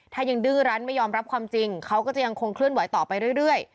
ถ้ายังดื้อรั้นไม่ยอมรับความจริงเขาก็จะยังคงเคลื่อนไหวต่อไปเรื่อย